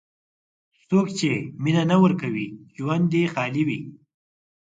څوک چې مینه نه ورکوي، ژوند یې خالي وي.